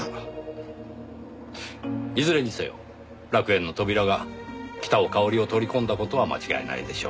いずれにせよ楽園の扉が北尾佳織を取り込んだ事は間違いないでしょう。